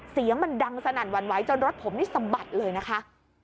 เสียงมันดังสนั่นหวั่นไหวจนรถผมนี่สะบัดเลยนะคะ